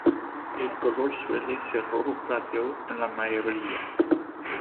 El color suele ser rojo plateado en la mayoría.